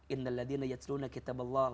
innal ladhina yatsuluna kitab allah